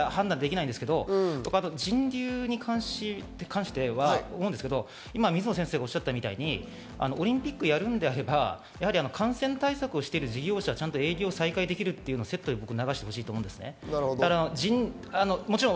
これに関しては判断できないんですけど、人流に関しては、今、水野先生がおっしゃったみたいに、オリンピックをやるのであれば、感染対策をしている事業者、ちゃんと再開できるというセットで流してほしい。